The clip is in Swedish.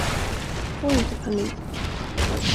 Få inte panik.